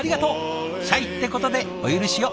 シャイってことでお許しを。